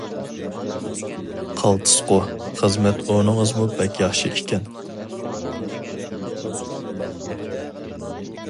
-قالتىسقۇ، خىزمەت ئورنىڭىزمۇ بەك ياخشى ئىكەن.